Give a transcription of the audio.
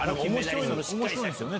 面白いんですよね。